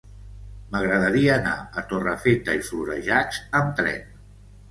M'agradaria anar a Torrefeta i Florejacs amb tren.